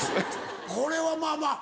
これはまぁまぁ